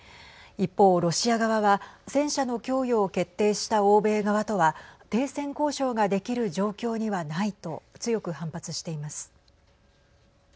一方ロシア側は戦車の供与を決定した欧米側とは停戦交渉ができる状況にはないと強く反発しています。